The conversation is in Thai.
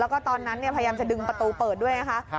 แล้วก็ตอนนั้นพยายามจะดึงประตูเปิดด้วยนะคะ